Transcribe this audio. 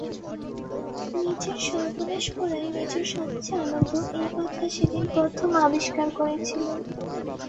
নিজের সর্বনাশ করাই নিজের সব চেয়ে আনন্দ এই কথা সেদিন প্রথম আবিষ্কার করেছিলুম।